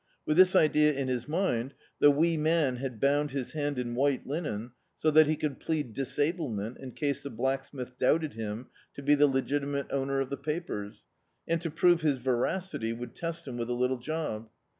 With this idea in his mind the Wee Man had bound his hand in white linen, so that he could plead disablement in case the black smith doubted him to be the le^timate owner of the papers, and to prove his veracity, would test him with a little job.